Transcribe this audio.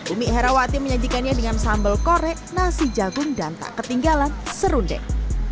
umi herawati menyajikannya dengan sambal korek nasi jagung dan tak ketinggalan serundeng